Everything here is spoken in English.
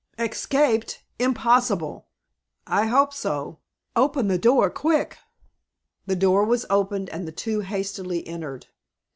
"Escaped! Impossible!" "I hope so. Open the door quick." The door was opened, and the two hastily entered.